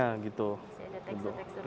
masih ada tekstur tekstur